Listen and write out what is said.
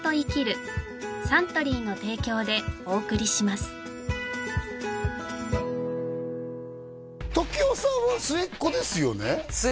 すごい時生さんは末っ子ですよね？